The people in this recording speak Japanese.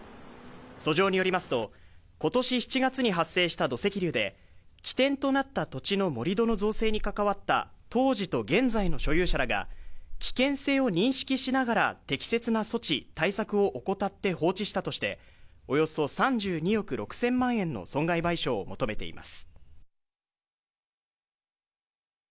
訴状によりますと今年７月に発生した土石流で起点となった土地の盛り土の造成に関わった当時と現在の所有者等が危険性を認識しながら適切な措置対策を怠って放置したとしておよそ３２億６０００万円の損害賠償を求めています